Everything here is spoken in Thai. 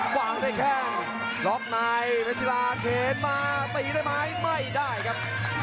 หวังได้แค่รอบนายเฟซิลาเคนมาตีได้ไหมไม่ได้ครับ